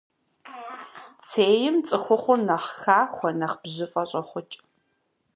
Цейм цӏыхухъур нэхъ хахуэ, нэхъ бжьыфӏэ щӏохъукӏ.